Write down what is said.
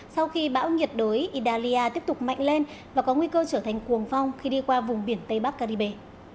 sau khi bão nhiệt đối italia tiếp tục mạnh lên và có nguy cơ trở thành cuồng phong khi đi qua vùng biển tây bắc caribe